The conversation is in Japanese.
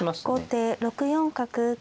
後手６四角。